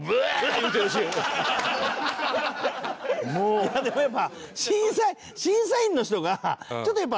いやでもやっぱ。